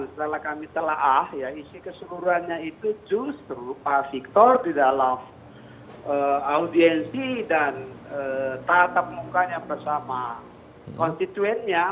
setelah kami telah isi keseluruhannya itu justru pak victor di dalam audiensi dan tatap mukanya bersama konstituennya